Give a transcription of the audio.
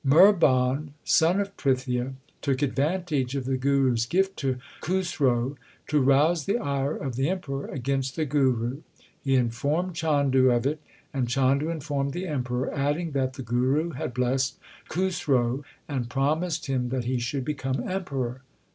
Mihrban, son of Prithia, took advantage of the Guru s gift to Khusro to rouse the ire of the Emperor 1 Sorath. go THE SIKH RELIGION against the Guru. He informed Chandu of it, and Chandu informed the Emperor, adding that the Guru had blessed Khusro and promised him that he should become Emperor.